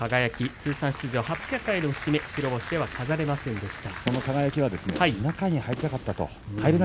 通算出場８００回目の節目の出場白星で飾れませんでした。